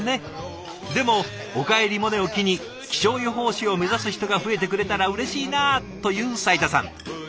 でも「おかえりモネ」を機に気象予報士を目指す人が増えてくれたらうれしいなという斉田さん。